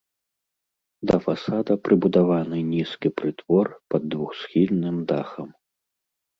Да фасада прыбудаваны нізкі прытвор пад двухсхільным дахам.